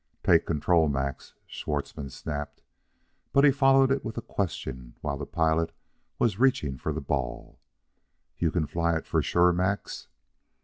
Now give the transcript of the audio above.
"Take control, Max!" Schwartzmann snapped; but he followed it with a question while the pilot was reaching for the ball. "You can fly it for sure, Max?"